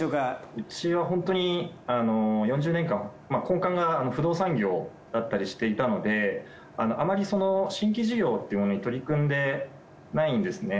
うちはホントに４０年間根幹が不動産業だったりしていたのであまり新規事業というものに取り組んでないんですね。